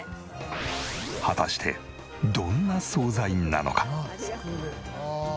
果たしてどんな惣菜なのか？